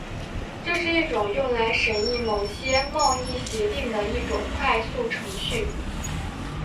这是一种用来审议某些贸易协定的一种快速程序。